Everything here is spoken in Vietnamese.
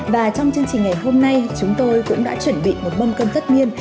và trong chương trình ngày hôm nay chúng tôi cũng đã chuẩn bị một mâm cơm tất niên